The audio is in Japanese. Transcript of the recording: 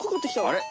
あれ？